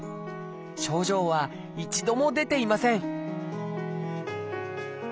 症状は一度も出ていません